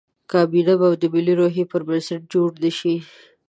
کابینه به د ملي روحیې پر بنسټ جوړه نه شي.